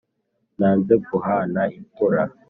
Nanze guhana imfura